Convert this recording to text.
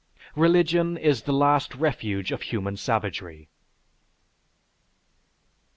Religion is the last refuge of human savagery.